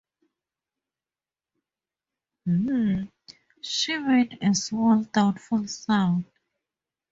“H’m!” She made a small doubtful sound.